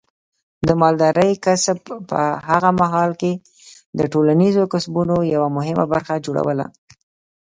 د مالدارۍ کسب په هغه مهال کې د ټولنیزو کسبونو یوه مهمه برخه جوړوله.